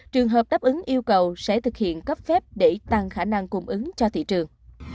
trường hợp đáp ứng yêu cầu sẽ thực hiện cấp phép để tăng khả năng cung ứng cho thị trường